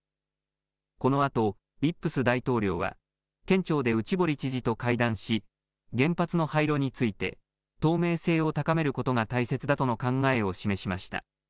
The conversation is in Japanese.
このあと、ウィップス大統領は県庁で内堀知事と会談し、原発の廃炉について、透明性を高めることが大切だとの考えを示しました。